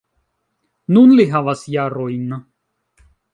Nun li havas jarojn.